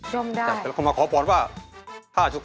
ย่อมได้ครับแล้วคนมาขอพรว่าย่อมได้